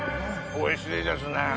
おいしいですね。